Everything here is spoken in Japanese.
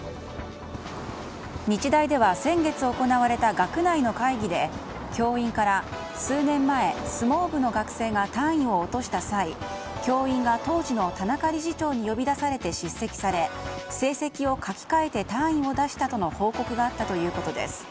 日大では先月行われた学内の会議で教員から数年前、相撲部の学生が単位を落とした際、教員が当時の田中理事長に呼び出されて叱責され、成績を書き換えて単位を出したとの報告があったということです。